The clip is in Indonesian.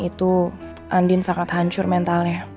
itu andin sangat hancur mentalnya